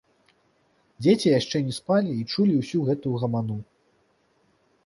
Дзеці яшчэ не спалі і чулі ўсю гэтую гаману